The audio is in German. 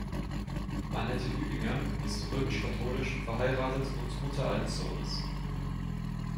Anette Hübinger ist römisch-katholisch, verheiratet und Mutter eines Sohnes.